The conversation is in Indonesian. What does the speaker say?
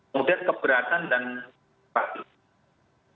kemudian keberatan dan kreatif